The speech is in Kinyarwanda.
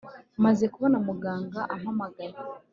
Maze kubona muganga ampamagaye